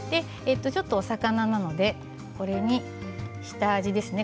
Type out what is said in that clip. ちょっとお魚なのでこれに下味ですね